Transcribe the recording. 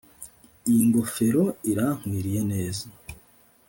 Iyi ngofero irankwiriye neza